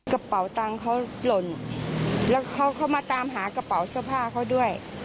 กระเป๋าตังค์เขาหล่นแล้วเขาเข้ามาตามหากระเป๋าเสื้อผ้าเขาด้วย